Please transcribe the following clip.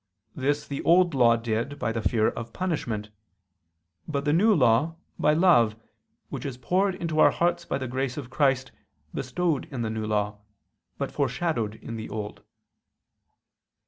This the Old Law did by the fear of punishment: but the New Law, by love, which is poured into our hearts by the grace of Christ, bestowed in the New Law, but foreshadowed in the Old.